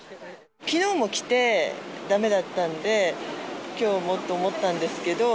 きのうも来てだめだったんで、きょうもと思ったんですけど。